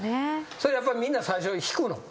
それやっぱりみんな最初引くの？